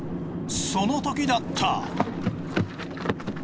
そのときだった。